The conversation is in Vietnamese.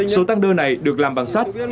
số tăng đơ này được làm bằng sắt